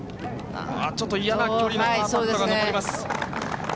ああ、ちょっと嫌な距離のパーパットが残ります。